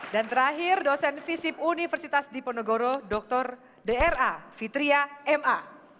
dan terakhir dosen fisip universitas di ponegoro dr dra fitria ma